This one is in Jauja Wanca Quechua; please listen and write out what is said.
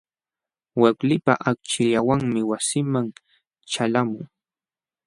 Waklipa akchillanwanmi wasiiman ćhalqamuu.